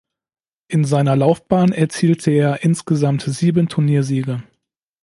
In seiner Laufbahn erzielte er insgesamt sieben Turniersiege.